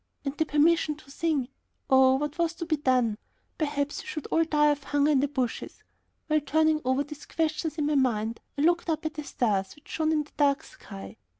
And the permission to sing? Oh, what was to be done! Perhaps we should all die of hunger in the bushes. While turning over these questions in my mind, I looked up at the stars, which shone in the dark sky.